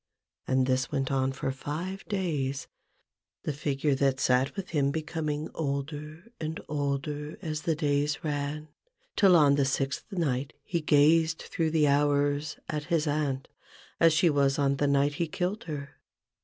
And this went on for five days ; the figure that sat with him becoming older and older as the days ran, till on the sixth night he gazed through the hours at his aunt as she was on the night he killed her.